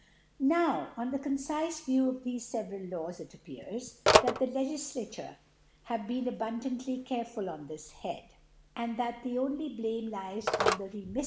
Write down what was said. Now, on the concifc View of thefc feve ral Laws, it appears, that the Legiflarure have been abundantly careful on this Head v and that the only Blame lies on the RemiiT • 5 E.